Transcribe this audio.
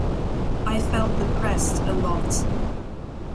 I felt depressed a lot.